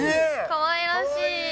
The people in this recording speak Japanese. かわいらしい。